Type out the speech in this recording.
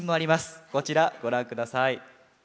こちらご覧ください。